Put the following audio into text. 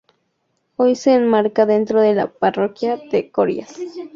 Hoy se enmarca dentro de la parroquia de Corias.